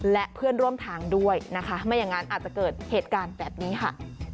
และเพื่อนร่วมทางด้วยนะคะไม่อย่างนั้นอาจจะเกิดเหตุการณ์แบบนี้ค่ะ